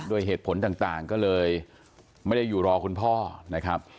ด้วยเหตุผลต่างก็เลยไม่ได้อยู่รอคุณพ่อนะครับ